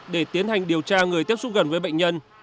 để tiến hành điều tra người tiếp xúc gần với bệnh nhân